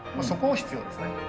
そこ必要ですね。